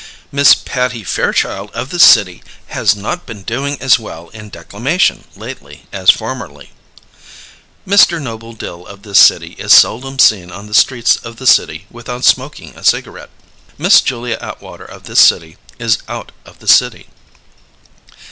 Miss Patty Fairchild of this City has not been doing as well in Declamation lately as formerly. MR. Noble Dill of this City is seldom seen on the streets of the City without smoking a cigarette. Miss Julia Atwater of this City is out of the City.